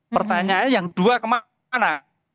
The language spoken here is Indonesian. pertanyaannya yang dua kemana